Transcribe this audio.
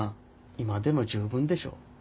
今でも十分でしょ。